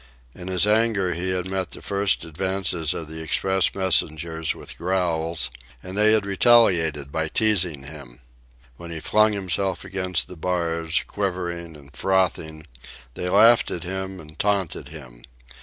In his anger he had met the first advances of the express messengers with growls, and they had retaliated by teasing him. When he flung himself against the bars, quivering and frothing, they laughed at him and taunted him.